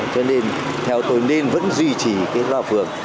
cho nên theo tôi nên vẫn duy trì cái loa phường